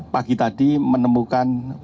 pagi tadi menemukan